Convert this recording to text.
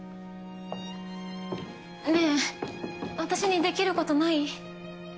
ねえ私にできることない？